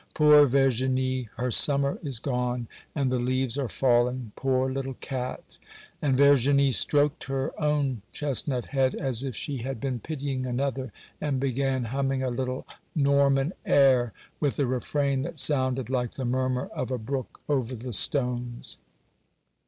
Poor Verginie! her summer is gone, and the leaves are falling; poor little cat;'—and Verginie stroked her own chestnut head, as if she had been pitying another, and began humming a little Norman air, with a refrain that sounded like the murmur of a brook over the stones.